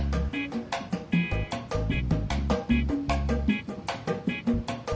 siapa yang udah pelan manya